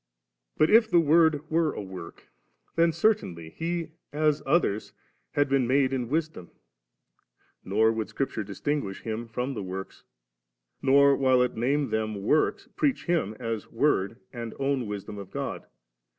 But if the Word were a work, then certainly He as others had been made in Wisdom; nor would Scripture distinguish Him from the works, nor while it named them works, preach Him as Word and own Wisdom of God.